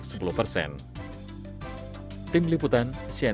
di sini juga ada sepeda yang berdampak terhadap permintaan